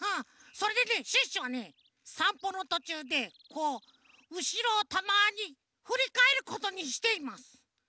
それでねシュッシュはねさんぽのとちゅうでこううしろをたまにふりかえることにしています。